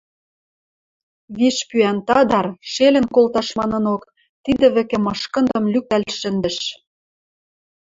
Виш пӱӓн тадар, шелӹн колташ манынок, тидӹ вӹкӹ мышкындым лӱктӓл шӹндӹш.